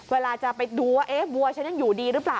เวลาจะไปดูว่าเอ๊ะวัวฉันยังอยู่ดีหรือเปล่า